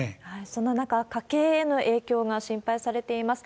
そんな中、家計への影響が心配されています。